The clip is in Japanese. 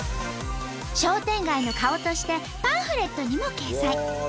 商店街の顔としてパンフレットにも掲載。